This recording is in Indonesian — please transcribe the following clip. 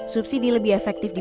subsidi lebih efektif diberikan